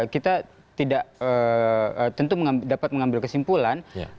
kita tidak tentu dapat mengambil kesimpulan